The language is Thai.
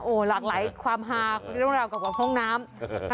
โอ้หลากหลายความฮาของเรียนร่วมราวกับห้องน้ำ